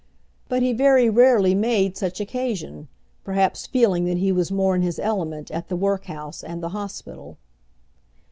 But he very rarely made such occasion, perhaps feeling that he was more in his element at the workhouse and the hospital.